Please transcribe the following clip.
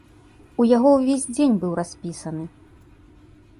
У яго ўвесь дзень быў распісаны.